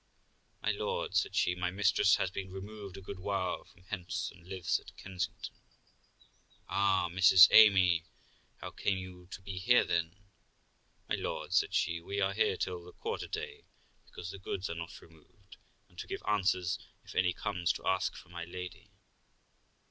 'My lord', said she, 'my mistress has been removed a good while from hence, and lives at Kensington.' 'Ah, Mrs Amy! how came you to be here, then?' 'My lord', said she, 'we are here till the quarter day, because the goods are not removed, and to give answers if any comes to ask for my lady.'